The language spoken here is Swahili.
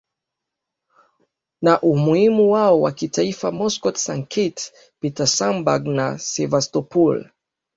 na umuhimu wao wa kitaifa Moscow Sankt Petersburg na Sevastopol